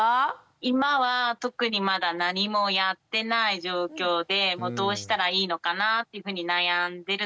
今は特にまだ何もやってない状況でどうしたらいいのかなっていうふうに悩んでる最中ですね。